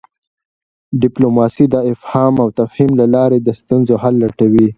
ډیپلوماسي د افهام او تفهیم له لاري د ستونزو حل لټوي.